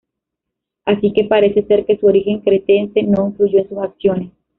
Así que parece ser que su origen cretense no influyó en sus acciones.